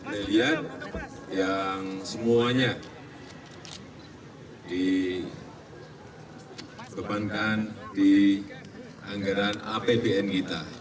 kurang lebih tujuh ratus miliar yang semuanya dikembangkan di anggaran apbn kita